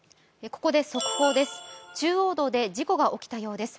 ここで速報です。